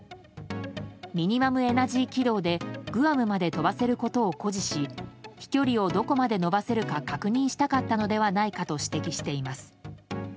ミニマムエナジー軌道でグアムまで飛ばせることを誇示し飛距離をどこまで延ばせるか確認したかったのではないかと指摘しています。